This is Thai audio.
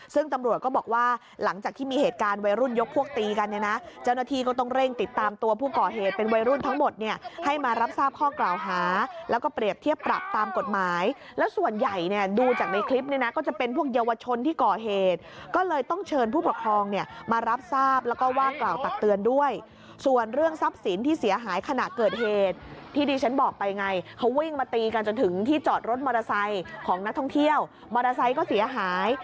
ซึ่งตำรวจก็บอกว่าหลังจากที่มีเหตุการณ์วัยรุ่นยกพวกตีกันนะเจ้าหน้าทีก็ต้องเร่งติดตามตัวผู้ก่อเหตุเป็นวัยรุ่นทั้งหมดเนี่ยให้มารับทราบข้อกล่าวหาแล้วก็เปรียบเทียบปรับตามกฎหมายแล้วส่วนใหญ่เนี่ยดูจากในคลิปนี้นะก็จะเป็นพวกเยาวชนที่ก่อเหตุก็เลยต้องเชิญผู้ปกครองเนี่ยมารับทร